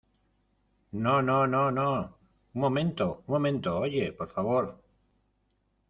¡ No, no , no , no , un momento! Un momento. oye .¡ por favor !